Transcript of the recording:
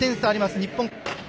日本。